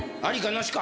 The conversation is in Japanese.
なしか？